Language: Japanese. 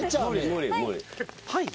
はい。